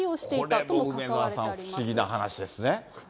これも梅沢さん、不思議な話ですね。